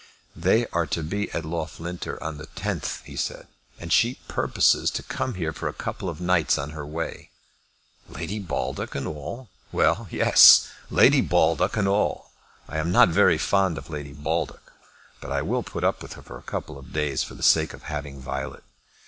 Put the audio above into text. "They are to be at Loughlinter on the tenth," he said, "and she purposes to come here for a couple of nights on her way." "Lady Baldock and all?" "Well, yes; Lady Baldock and all. I am not very fond of Lady Baldock, but I will put up with her for a couple of days for the sake of having Violet.